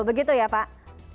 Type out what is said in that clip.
begitu ya pak